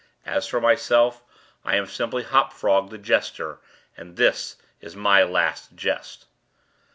As for myself, I am simply Hop Frog, the jester—and this is my last jest."